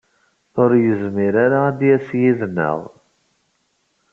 Ur yezmir ara ad d-yas yid-neɣ.